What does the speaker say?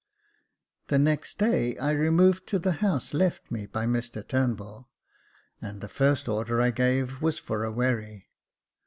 The next day, I removed to the house left me by Mr Turnbull, and the first order I gave was for a wherry.